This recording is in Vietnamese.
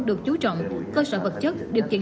được chú trọng cơ sở vật chất điều kiện